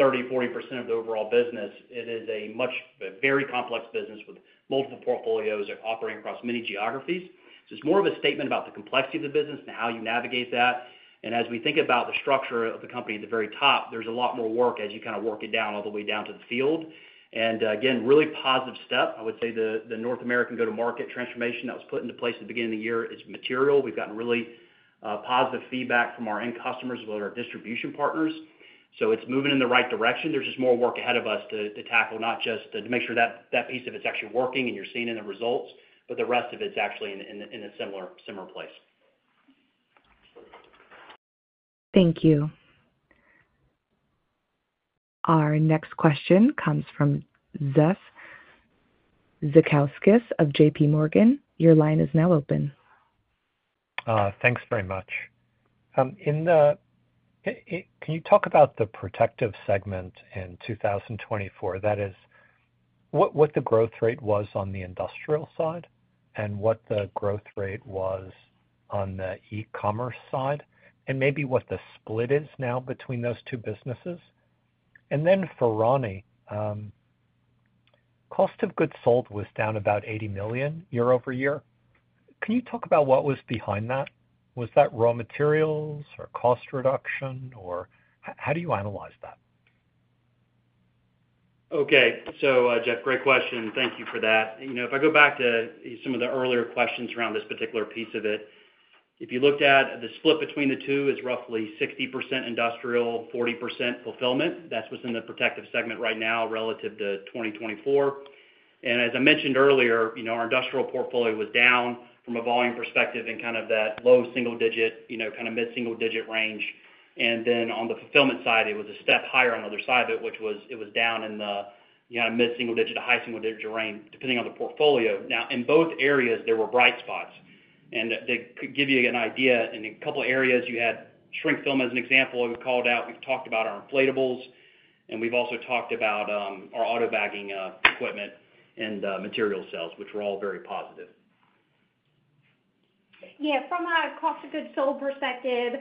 30%-40% of the overall business, it is a very complex business with multiple portfolios operating across many geographies. So it's more of a statement about the complexity of the business and how you navigate that. As we think about the structure of the company at the very top, there's a lot more work as you kind of work it down all the way down to the field. Again, really positive step. I would say the North American go-to-market transformation that was put into place at the beginning of the year is material. We've gotten really positive feedback from our end customers as well as our distribution partners. So it's moving in the right direction. There's just more work ahead of us to tackle, not just to make sure that piece of it's actually working and you're seeing the results, but the rest of it's actually in a similar place. Thank you. Our next question comes from Jeffrey Zekauskas of J.P. Morgan. Your line is now open. Thanks very much. Can you talk about the Protective Segment in 2024? That is, what the growth rate was on the industrial side and what the growth rate was on the e-commerce side and maybe what the split is now between those two businesses. And then for Roni, cost of goods sold was down about $80 million year over year. Can you talk about what was behind that? Was that raw materials or cost reduction? Or how do you analyze that? Okay. So, Jeff, great question. Thank you for that. If I go back to some of the earlier questions around this particular piece of it, if you looked at the split between the two is roughly 60% industrial, 40% fulfillment. That's what's in the Protective Segment right now relative to 2024. As I mentioned earlier, our industrial portfolio was down from a volume perspective in kind of that low single-digit, kind of mid-single-digit range. Then on the fulfillment side, it was a step higher on the other side of it, which was down in the mid-single-digit to high single-digit range, depending on the portfolio. Now, in both areas, there were bright spots. To give you an idea, in a couple of areas, you had shrink film as an example. We've called out, we've talked about our inflatables. We've also talked about our Auto Bagging equipment and material sales, which were all very positive. Yeah. From a cost of goods sold perspective,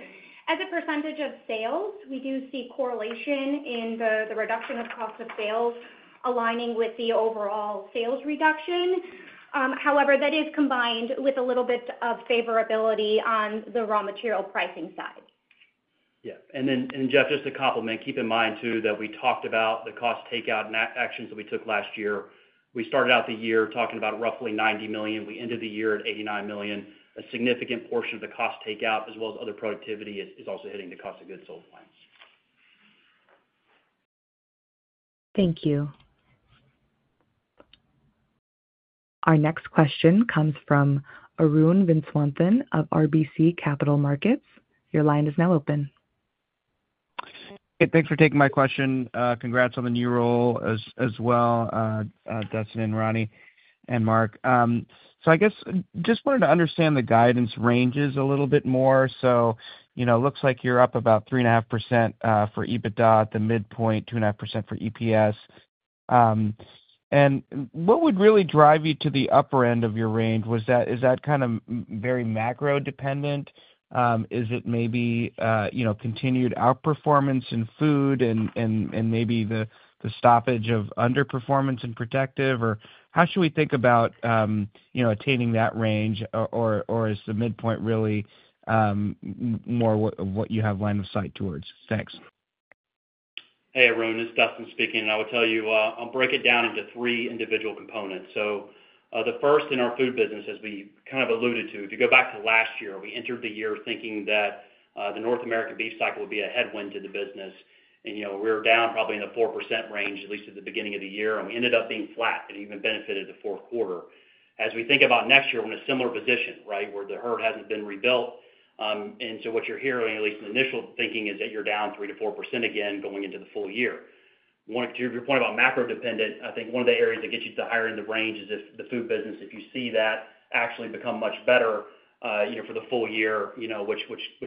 as a percentage of sales, we do see correlation in the reduction of cost of sales aligning with the overall sales reduction. However, that is combined with a little bit of favorability on the raw material pricing side. Yeah. And then, Jeff, just to complement, keep in mind too that we talked about the cost takeout and actions that we took last year. We started out the year talking about roughly $90 million. We ended the year at $89 million. A significant portion of the cost takeout, as well as other productivity, is also hitting the cost of goods sold lines. Thank you. Our next question comes from Arun Viswanathan of RBC Capital Markets. Your line is now open. Thanks for taking my question. Congrats on the new role as well, Dustin, and Roni, and Mark. So I guess just wanted to understand the guidance ranges a little bit more. So it looks like you're up about 3.5% for EBITDA, the midpoint, 2.5% for EPS. And what would really drive you to the upper end of your range? Is that kind of very macro-dependent? Is it maybe continued outperformance in Food and maybe the stoppage of underperformance in Protective? Or how should we think about attaining that range? Or is the midpoint really more what you have line of sight towards? Thanks. Hey, Arun. It's Dustin speaking. And I will tell you, I'll break it down into three individual components. So the first in our food business, as we kind of alluded to, if you go back to last year, we entered the year thinking that the North American beef cycle would be a headwind to the business. And we were down probably in the 4% range, at least at the beginning of the year. And we ended up being flat and even benefited the fourth quarter. As we think about next year, we're in a similar position, right, where the herd hasn't been rebuilt. And so what you're hearing, at least in initial thinking, is that you're down 3%-4% again going into the full year. To your point about macro-dependent, I think one of the areas that gets you to the higher end of the range is if the Food business, if you see that actually become much better for the full year, which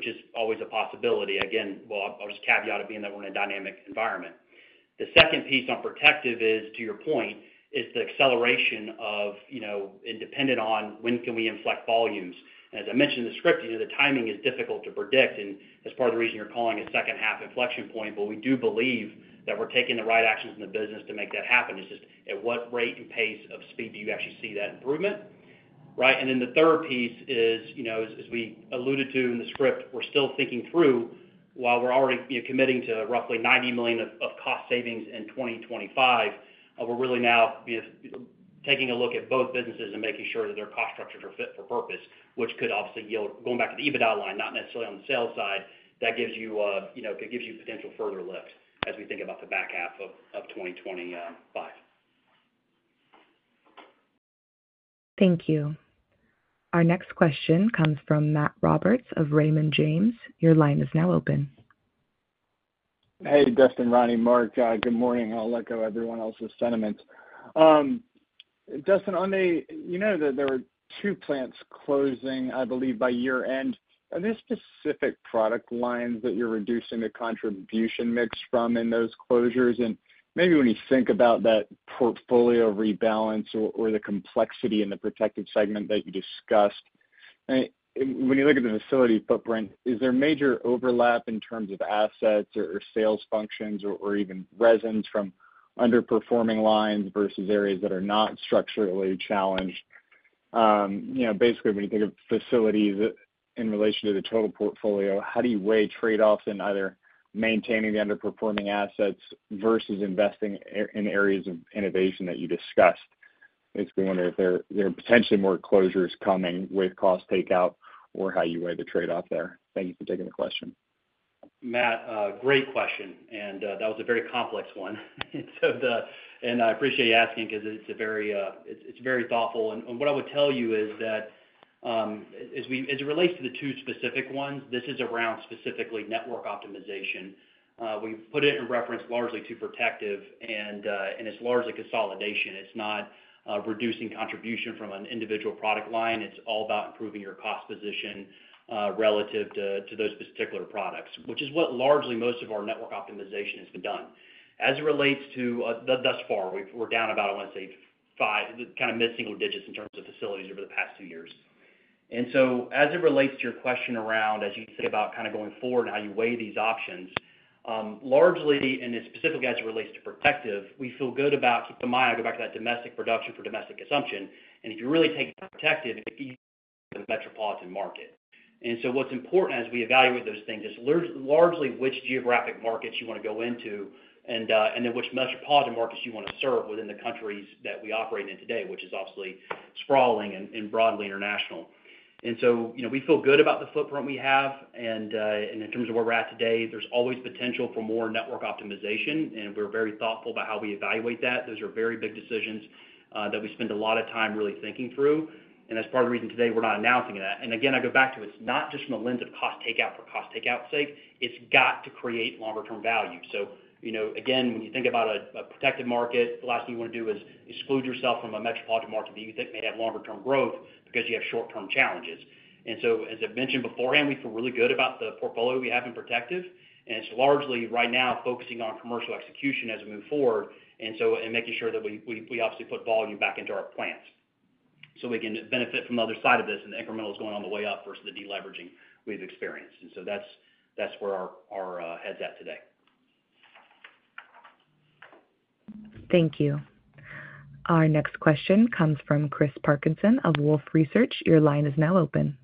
is always a possibility. Again, well, I'll just caveat it being that we're in a dynamic environment. The second piece on Protective is, to your point, is the acceleration of and dependent on when can we inflect volumes. As I mentioned in the script, the timing is difficult to predict. That's part of the reason you're calling a second half inflection point. We do believe that we're taking the right actions in the business to make that happen. It's just at what rate and pace of speed do you actually see that improvement? Right. Then the third piece is, as we alluded to in the script, we're still thinking through while we're already committing to roughly $90 million of cost savings in 2025. We're really now taking a look at both businesses and making sure that their cost structures are fit for purpose, which could obviously yield, going back to the EBITDA line, not necessarily on the sales side, that gives you potential further lift as we think about the back half of 2025. Thank you. Our next question comes from Matt Roberts of Raymond James. Your line is now open. Hey, Dustin, Roni, Mark, good morning. I'll let go of everyone else's sentiments. Dustin, you know that there are two plants closing, I believe, by year-end. Are there specific product lines that you're reducing the contribution mix from in those closures? And maybe when you think about that portfolio rebalance or the complexity in the Protective segment that you discussed, when you look at the facility footprint, is there major overlap in terms of assets or sales functions or even resins from underperforming lines versus areas that are not structurally challenged? Basically, when you think of facilities in relation to the total portfolio, how do you weigh trade-offs in either maintaining the underperforming assets versus investing in areas of innovation that you discussed? Basically, wondering if there are potentially more closures coming with cost takeout or how you weigh the trade-off there. Thank you for taking the question. Matt, great question. And that was a very complex one. And I appreciate you asking because it's very thoughtful. And what I would tell you is that as it relates to the two specific ones, this is around specifically network optimization. We've put it in reference largely to Protective, and it's largely consolidation. It's not reducing contribution from an individual product line. It's all about improving your cost position relative to those particular products, which is what largely most of our network optimization has been done. As it relates to thus far, we're down about, I want to say, kind of mid-single digits in terms of facilities over the past two years. And so, as it relates to your question around, as you think about kind of going forward and how you weigh these options, largely, and specifically as it relates to Protective, we feel good about keeping in mind. I'll go back to that domestic production for domestic consumption. And if you really take Protective, you get the metropolitan market. And so what's important as we evaluate those things is largely which geographic markets you want to go into and then which metropolitan markets you want to serve within the countries that we operate in today, which is obviously sprawling and broadly international. And so we feel good about the footprint we have. And in terms of where we're at today, there's always potential for more network optimization. And we're very thoughtful about how we evaluate that. Those are very big decisions that we spend a lot of time really thinking through. And that's part of the reason today we're not announcing that. And again, I go back to it's not just from the lens of cost takeout for cost takeout's sake. It's got to create longer-term value. So again, when you think about a Protective market, the last thing you want to do is exclude yourself from a metropolitan market that you think may have longer-term growth because you have short-term challenges. And so as I've mentioned beforehand, we feel really good about the portfolio we have in Protective. It's largely right now focusing on commercial execution as we move forward and making sure that we obviously put volume back into our plants so we can benefit from the other side of this and the incrementals going all the way up versus the deleveraging we've experienced. That's where our head's at today. Thank you. Our next question comes from Chris Parkinson of Wolfe Research. Your line is now open.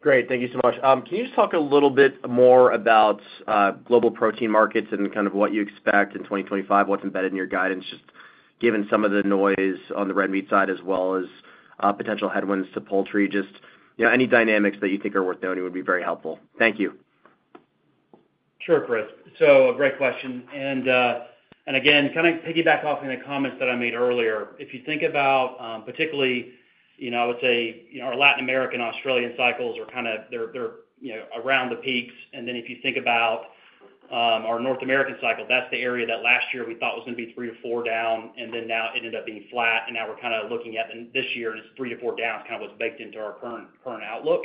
Great. Thank you so much. Can you just talk a little bit more about global protein markets and kind of what you expect in 2025, what's embedded in your guidance, just given some of the noise on the red meat side as well as potential headwinds to poultry, just any dynamics that you think are worth noting would be very helpful. Thank you. Sure, Chris. A great question. Again, kind of piggyback off the comments that I made earlier, if you think about particularly, I would say our Latin American and Australian cycles are kind of around the peaks. Then if you think about our North American cycle, that's the area that last year we thought was going to be three to four down, and then now it ended up being flat. Now we're kind of looking at this year, and it's three to four down is kind of what's baked into our current outlook.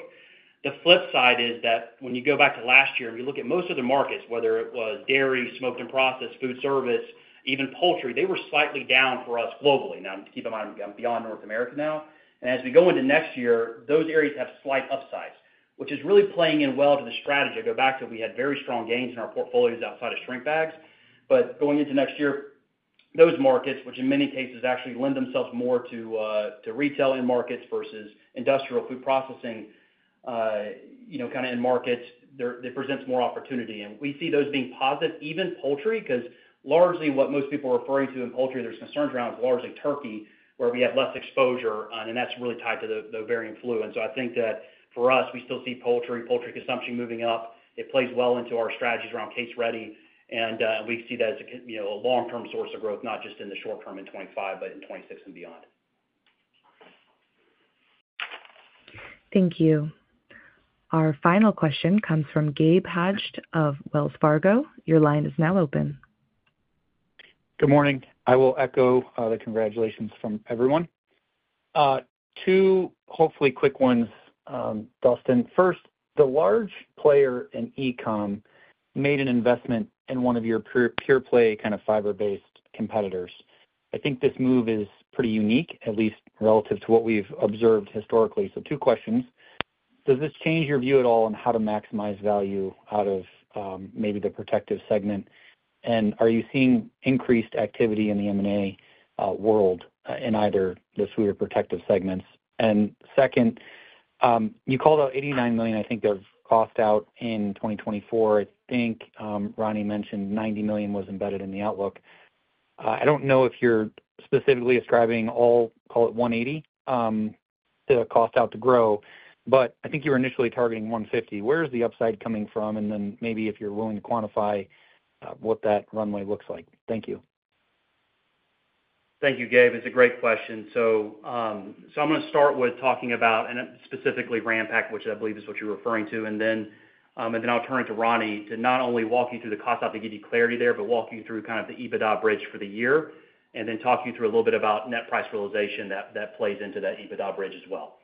The flip side is that when you go back to last year and you look at most of the markets, whether it was dairy, smoked and processed, food service, even poultry, they were slightly down for us globally. Now, keep in mind, I'm beyond North America now. As we go into next year, those areas have slight upsides, which is really playing in well to the strategy. I go back to we had very strong gains in our portfolios outside of shrink bags. Going into next year, those markets, which in many cases actually lend themselves more to retail end markets versus industrial Food processing kind of end markets, it presents more opportunity. We see those being positive, even poultry, because largely what most people are referring to in poultry, there's concerns around is largely turkey, where we have less exposure. That's really tied to the avian flu. I think that for us, we still see poultry, poultry consumption moving up. It plays well into our strategies around case ready. We see that as a long-term source of growth, not just in the short term in 2025, but in 2026 and beyond. Thank you. Our final question comes from Gabe Hajde of Wells Fargo. Your line is now open. Good morning. I will echo the congratulations from everyone. Two hopefully quick ones, Dustin. First, the large player in e-com made an investment in one of your pure-play kind of fiber-based competitors. I think this move is pretty unique, at least relative to what we've observed historically. So two questions. Does this change your view at all on how to maximize value out of maybe the Protective Segment? And are you seeing increased activity in the M&A world in either the food or protective segments? And second, you called out $89 million, I think the cost out in 2024. I think Roni mentioned $90 million was embedded in the outlook. I don't know if you're specifically ascribing all, call it 180, to cost out to grow, but I think you were initially targeting 150. Where's the upside coming from? And then maybe if you're willing to quantify what that runway looks like. Thank you. Thank you, Gabe. It's a great question. So I'm going to start with talking about, and specifically Ranpak, which I believe is what you're referring to. And then I'll turn it to Roni to not only walk you through the cost out to give you clarity there, but walk you through kind of the EBITDA bridge for the year, and then talk you through a little bit about net price realization that plays into that EBITDA bridge as well.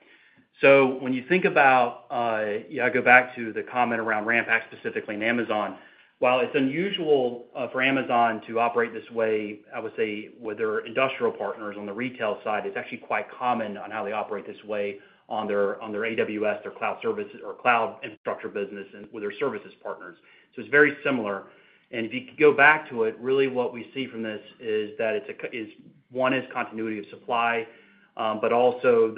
So when you think about, I go back to the comment around Ranpak specifically in Amazon. While it's unusual for Amazon to operate this way, I would say with their industrial partners on the retail side, it's actually quite common on how they operate this way on their AWS, their cloud service, or cloud infrastructure business with their services partners. So it's very similar. If you go back to it, really what we see from this is that one is continuity of supply, but also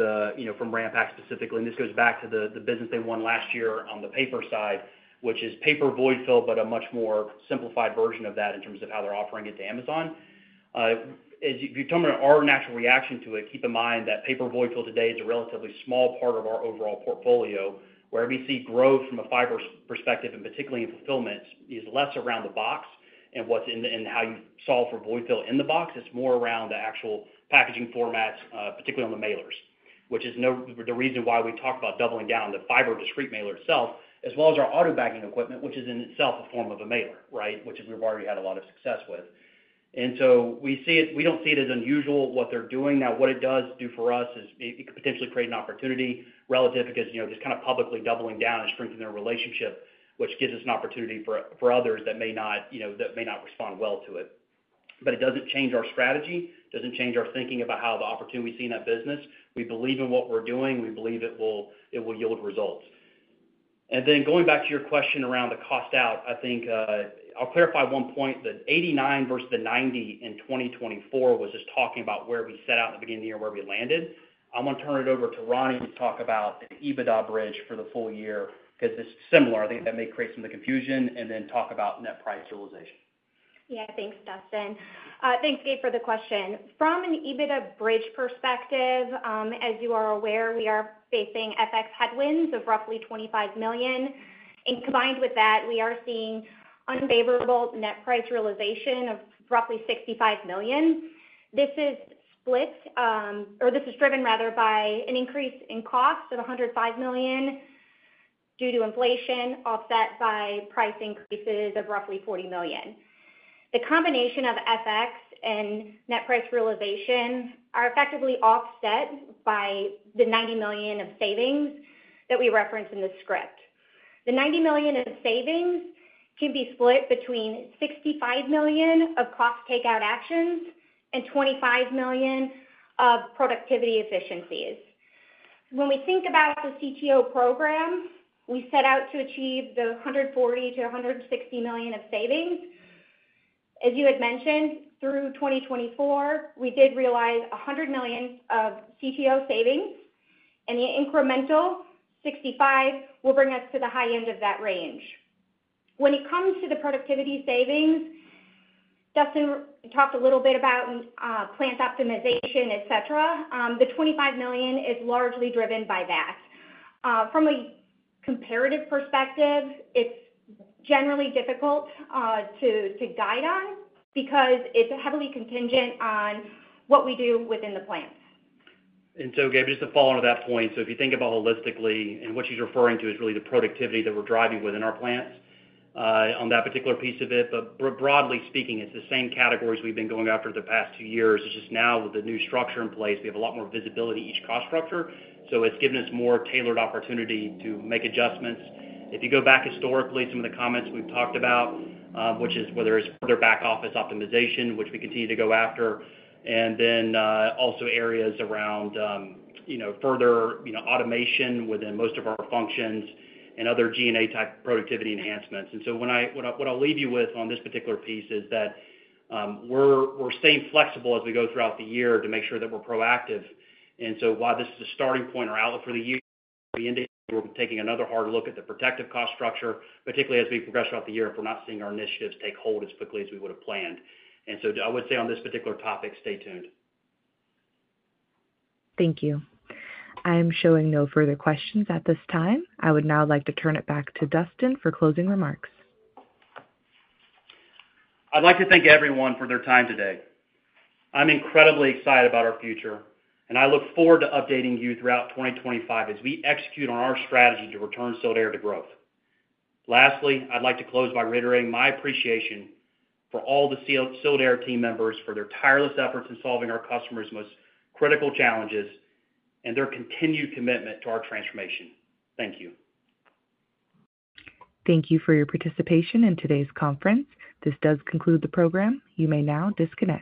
from Ranpak specifically, and this goes back to the business they won last year on the paper side, which is paper void fill, but a much more simplified version of that in terms of how they're offering it to Amazon. If you're talking about our natural reaction to it, keep in mind that paper void fill today is a relatively small part of our overall portfolio. Where we see growth from a fiber perspective, and particularly in fulfillments, is less around the box and how you solve for void fill in the box. It's more around the actual packaging formats, particularly on the mailers, which is the reason why we talked about doubling down on the fiber discrete mailer itself, as well as our Auto Bagging equipment, which is in itself a form of a mailer, right, which we've already had a lot of success with. And so we don't see it as unusual, what they're doing. Now, what it does do for us is it could potentially create an opportunity relative because just kind of publicly doubling down and strengthening their relationship, which gives us an opportunity for others that may not respond well to it. But it doesn't change our strategy. It doesn't change our thinking about how the opportunity we see in that business. We believe in what we're doing. We believe it will yield results. And then going back to your question around the cost out, I think I'll clarify one point. The 89 versus the 90 in 2024 was just talking about where we set out in the beginning of the year and where we landed. I'm going to turn it over to Roni to talk about an EBITDA bridge for the full year because it's similar. I think that may create some of the confusion and then talk about net price realization. Yeah, thanks, Dustin. Thanks, Gabe, for the question. From an EBITDA bridge perspective, as you are aware, we are facing FX headwinds of roughly $25 million. And combined with that, we are seeing unfavorable net price realization of roughly $65 million. This is split or this is driven rather by an increase in cost of $105 million due to inflation, offset by price increases of roughly $40 million. The combination of FX and net price realization are effectively offset by the $90 million of savings that we referenced in the script. The $90 million of savings can be split between $65 million of cost takeout actions and $25 million of productivity efficiencies. When we think about the CTO program, we set out to achieve the $140-$160 million of savings. As you had mentioned, through 2024, we did realize $100 million of CTO savings, and the incremental $65 million will bring us to the high end of that range. When it comes to the productivity savings, Dustin talked a little bit about plant optimization, etc. The $25 million is largely driven by that. From a comparative perspective, it's generally difficult to guide on because it's heavily contingent on what we do within the plant. and so, Gabe, just to follow on that point, so if you think about holistically, and what she's referring to is really the productivity that we're driving within our plants on that particular piece of it, but broadly speaking, it's the same categories we've been going after the past two years. It's just now with the new structure in place, we have a lot more visibility each cost structure, so it's given us more tailored opportunity to make adjustments. If you go back historically, some of the comments we've talked about, which is whether it's further back office optimization, which we continue to go after, and then also areas around further automation within most of our functions and other G&A type productivity enhancements. And so what I'll leave you with on this particular piece is that we're staying flexible as we go throughout the year to make sure that we're proactive. And so while this is a starting point or outlook for the year, and we're taking another hard look at the protective cost structure, particularly as we progress throughout the year if we're not seeing our initiatives take hold as quickly as we would have planned. And so I would say on this particular topic, stay tuned. Thank you. I'm showing no further questions at this time. I would now like to turn it back to Dustin for closing remarks. I'd like to thank everyone for their time today. I'm incredibly excited about our future, and I look forward to updating you throughout 2025 as we execute on our strategy to return Sealed Air to growth. Lastly, I'd like to close by reiterating my appreciation for all the Sealed Air team members for their tireless efforts in solving our customers' most critical challenges and their continued commitment to our transformation. Thank you. Thank you for your participation in today's conference. This does conclude the program. You may now disconnect.